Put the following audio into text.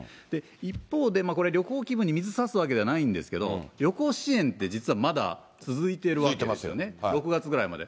一方で、これ、旅行気分に水さすわけじゃないんですけれども、旅行支援って、実はまだ続いてるわけですよね、６月ぐらいまで。